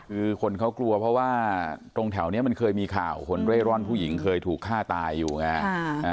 คือคนเขากลัวเพราะว่าตรงแถวนี้มันเคยมีข่าวคนเร่ร่อนผู้หญิงเคยถูกฆ่าตายอยู่ไง